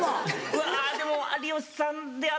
うわでも有吉さんであったり。